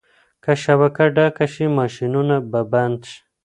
که شبکه ډکه شي ماشینونه به بند شي.